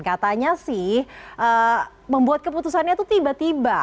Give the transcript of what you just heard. katanya sih membuat keputusannya itu tiba tiba